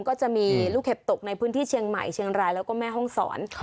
ก็จะมีลูกเห็บตกในพื้นที่เชียงใหม่เชียงรายแล้วก็แม่ห้องศร